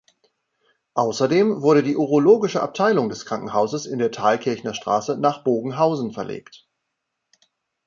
Außerdem wurde die Urologische Abteilung des Krankenhauses in der Thalkirchner Straße nach Bogenhausen verlegt.